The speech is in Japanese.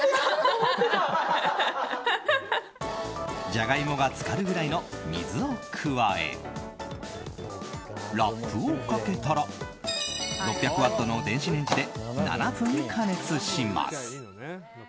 ジャガイモが浸かるくらいの水を加えラップをかけたら６００ワットの電子レンジで７分加熱します。